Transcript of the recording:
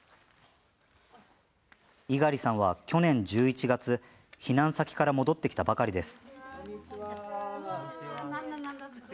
猪狩さんは、去年１１月避難先から戻ってきたばかりです。